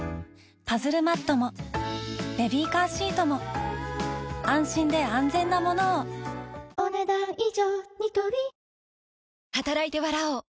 パズルマットもベビーカーシートも安心で安全なものをお、ねだん以上。